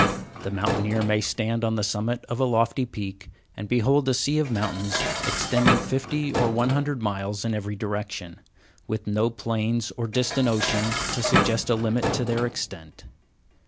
The mountaineer may stand on the summit of a lofty peak and behold a sea of mountains extending fifty or one hundred miles in every direction, with no plains or distant ocean to suggest a limit to their extent.